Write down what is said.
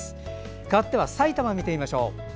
かわっては、さいたまを見てみましょう。